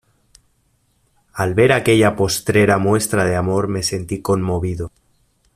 al ver aquella postrera muestra de amor me sentí conmovido.